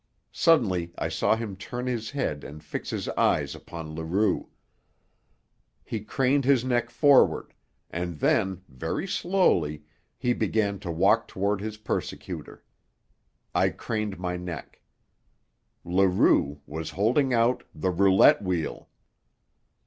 Suddenly I saw him turn his head and fix his eyes upon Leroux. He craned his neck forward; and then, very slowly, he began to walk toward his persecutor. I craned my neck. Leroux was holding out the roulette wheel!